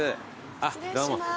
失礼します。